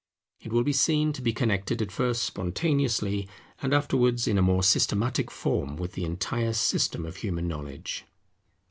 It will be seen to be connected at first spontaneously, and afterwards in a more systematic form, with the entire system of human knowledge.